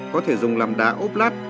có thể dùng làm đá ốp lát